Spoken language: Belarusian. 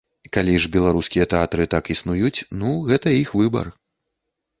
Калі ж беларускія тэатры так існуюць, ну, гэта іх выбар.